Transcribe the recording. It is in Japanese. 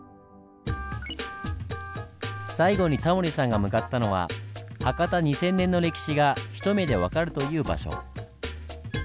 最後にタモリさんが向かったのは博多二千年の歴史がひと目で分かるという場所。